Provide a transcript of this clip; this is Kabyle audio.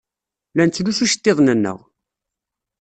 La nettlusu iceḍḍiḍen-nneɣ.